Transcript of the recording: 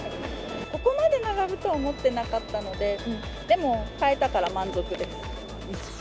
ここまで並ぶと思ってなかったので、でも買えたから満足です。